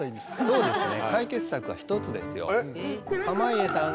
そうですね。